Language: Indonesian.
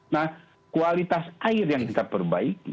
nah kualitas air yang kita perbaiki